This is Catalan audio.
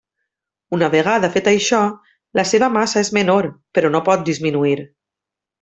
Una vegada fet això, la seva massa és menor, però no pot disminuir.